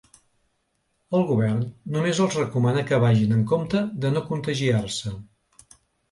El govern només els recomana que vagin en compte de no contagiar-se.